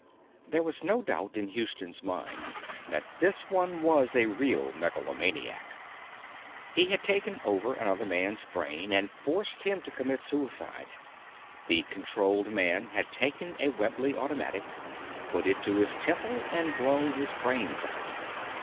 There was no doubt in Houston's mind that this one was a real megalomaniac; he had taken over another man's brain and forced him to commit suicide. The controlled man had taken a Webley automatic, put it to his temple, and blown his brains out.